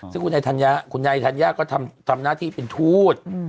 ซึ่งคุณยายธัญญะก็ทำหน้าที่เป็นทูต